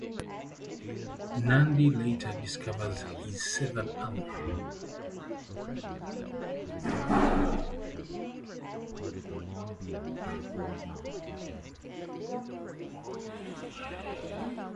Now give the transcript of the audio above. Nandi later discovers his severed arm.